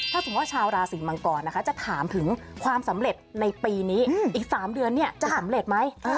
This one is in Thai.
ถ้าสมมุติว่าชาวราศีมังกรนะคะจะถามถึงความสำเร็จในปีนี้อีก๓เดือนจะสำเร็จไหม